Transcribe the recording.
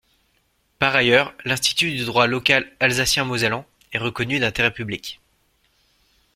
Par ailleurs, l’Institut du droit local alsacien-mosellan est reconnu d’intérêt public.